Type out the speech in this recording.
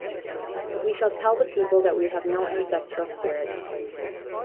We shall tell the people that we have no ancestral spirits.